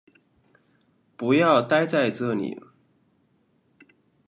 不要待在这里